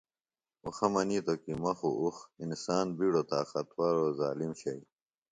اُخہ منیتوۡ کیۡ ”مہ خوۡ اُخ“ انسان بیڈوۡ طاقتور اوۡ ظالم شئی